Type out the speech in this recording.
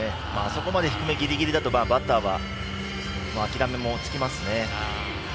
そこまで低めぎりぎりだとバッターは諦めもつきますね。